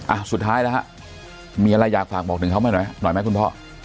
อ่ะสุดท้ายแล้วฮะมีอะไรอยากฝากบอกถึงเขาไหมหน่อยไหมคุณพ่อ